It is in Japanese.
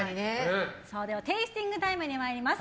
テイスティングタイムに参ります。